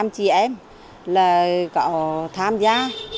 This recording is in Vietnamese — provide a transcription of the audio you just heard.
hai trăm linh chị em là có tham gia